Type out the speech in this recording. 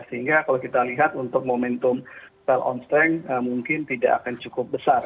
sehingga kalau kita lihat untuk momentum sel on strength mungkin tidak akan cukup besar